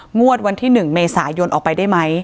งวดวันที่๑เมษายนออกไปได้ไหม